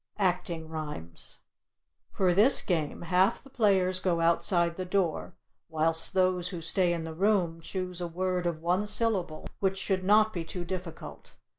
ACTING RHYMES For this game, half the players go outside the door, whilst those who stay in the room choose a word of one syllable, which should not be too difficult.